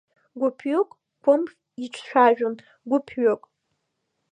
Гәыԥҩык Кәымф иҿцәажәон, гәыԥҩык…